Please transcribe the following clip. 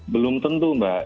belum tentu mbak